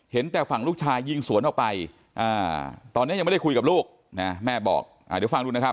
แต่ฝั่งลูกชายยิงสวนออกไปตอนนี้ยังไม่ได้คุยกับลูกนะแม่บอกเดี๋ยวฟังดูนะครับ